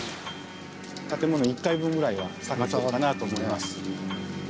建物１階分ぐらいは下がってるかなと思います。